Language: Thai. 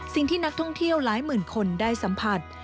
สิ่งที่นักท่องเที่ยวหลายหมื่นคนได้สัมผัส